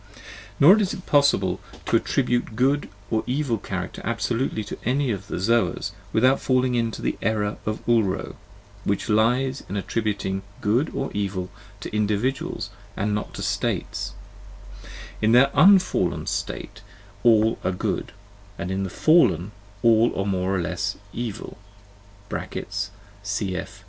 Nor is it possible to attribute a good or evil character abso lutely to any of the Zoas without falling into the error of Ulro, which lies in attributing good or evil to individuals and not to states: in their unfallen state all are good, in the fallen all are more or less evil (cf.